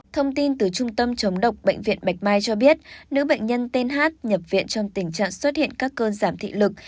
thông tin từ trung tâm chống độc bệnh viện bạch mai cho biết nữ bệnh nhân th nhập viện trong tình trạng xuất hiện các cơn giảm thị lực